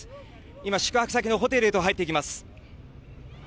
今、宿泊先のホテルへと入っていきます。